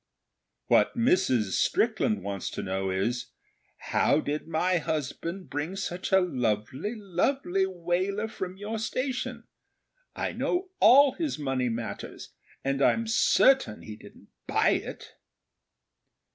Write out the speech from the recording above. What Mrs. Strickland wants to know is, 'How did my husband bring such a lovely, lovely Waler from your station? I know all his money affairs; and I'm certain he didn't buy it.'